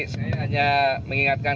saya hanya mengingatkan